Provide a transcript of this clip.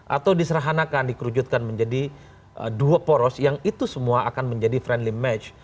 atau diserahanakan dikerucutkan menjadi dua poros yang itu semua akan menjadi friendly match